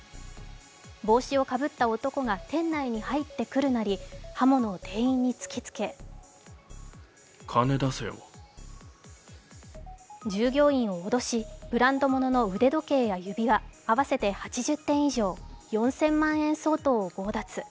帽子をかぶった男が店内に入ってくるなり刃物を店員に突きつけ従業員を脅し、ブランド物の腕時計や指輪、合わせて８０点以上、４０００万円相当を強奪。